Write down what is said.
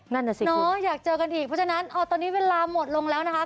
นั่นน่ะสิครับเพราะฉะนั้นตอนนี้เวลาหมดลงแล้วนะคะ